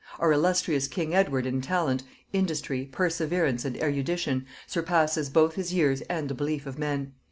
Our illustrious king Edward in talent, industry, perseverance, and erudition, surpasses both his own years and the belief of men....